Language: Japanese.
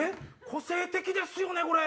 個性的ですよねこれ。